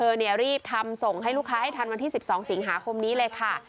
รีบทำส่งให้ลูกค้าให้ทันวันที่๑๒สิงหาคมนี้เลยค่ะ